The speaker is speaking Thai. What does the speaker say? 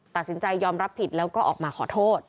ตัดสินใจยอมรับผิดแล้วก็ออกมาขอโทษ